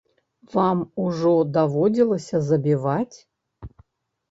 Вам ужо даводзілася забіваць?